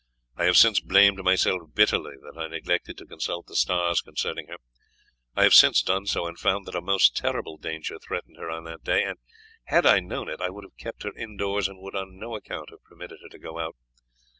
"I have since blamed myself bitterly that I neglected to consult the stars concerning her. I have since done so, and found that a most terrible danger threatened her on that day; and had I known it, I would have kept her indoors and would on no account have permitted her to go out.